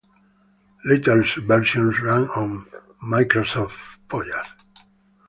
Later versions ran on Microsoft Windows.